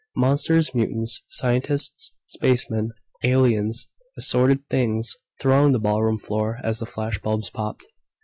Monsters, mutants, scientists, spacemen, aliens, and assorted "Things" thronged the ballroom floor as the flashbulbs popped.